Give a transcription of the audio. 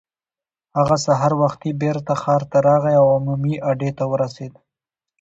هغه سهار وختي بېرته ښار ته راغی او عمومي اډې ته ورسېد.